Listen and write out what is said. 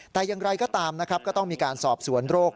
แต่อย่างไรก็ตามนะครับก็ต้องมีการสอบสวนโรค